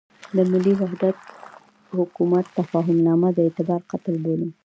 د ملي وحدت حکومت تفاهمنامه د اعتبار قتل بولم.